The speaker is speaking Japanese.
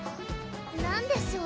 何でしょう？